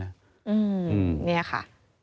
อืมเนี่ยค่ะ